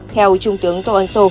theo trung tướng tô ân sô